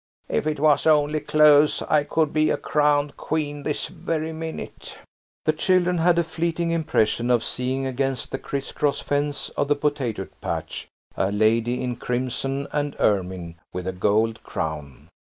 "If it was only clothes I could be a crowned queen this very minute." The children had a fleeting impression of seeing against the criss cross fence of the potato patch a lady in crimson and ermine with a gold crown.